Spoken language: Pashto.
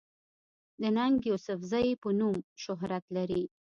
د “ ننګ يوسفزۍ” پۀ نوم شهرت لري